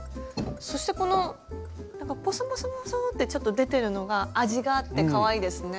そしてこのなんかポソポソポソってちょっと出てるのが味があってかわいいですね。